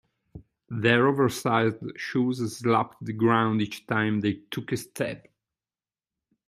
Their oversized shoes slapped the ground each time they took a step.